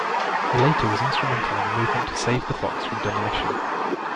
He later was instrumental in the movement to save the Fox from demolition.